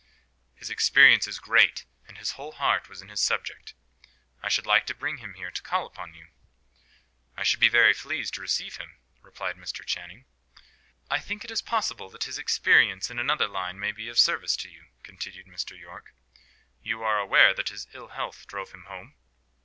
His experience is great, and his whole heart was in his subject. I should like to bring him here to call upon you." "I should be pleased to receive him," replied Mr. Channing. "I think it is possible that his experience in another line may be of service to you," continued Mr. Yorke. "You are aware that ill health drove him home?"